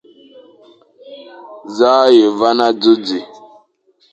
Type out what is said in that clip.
Za a ye van adzo di ?